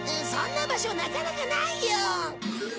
そんな場所なかなかないよ！